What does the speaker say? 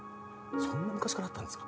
そんな昔からあったんですか？